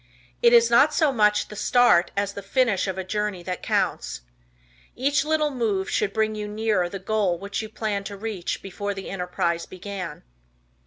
It is not so much the start as the finish of a journey that counts. Each little move should bring you nearer the goal which you planned to reach before the enterprise began.